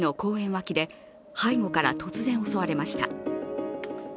脇で背後から突然、襲われました。